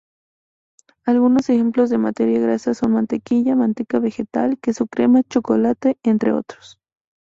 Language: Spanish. Algunos ejemplos de materia grasa son mantequilla, manteca vegetal, queso crema, chocolate, entre otros.